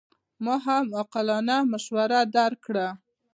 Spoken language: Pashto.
ما هم عاقلانه مشوره درکړه.